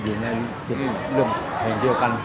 เข้าไปกอลแข่น